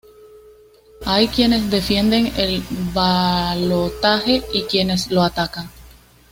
Hay quienes defienden el balotaje y quienes lo atacan.